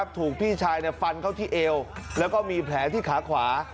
ถูกพี่ชายฟันเข้าที่เอวแล้วก็มีแผลที่ขาขวา